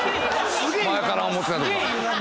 「前から思ってた」とか。